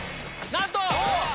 なんと！